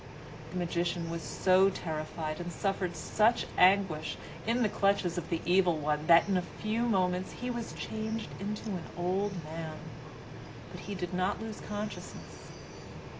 The magician was so terrified and suffered such anguish in the clutches of the Evil One that in a few moments he was changed into an old man, but he did not lose consciousness.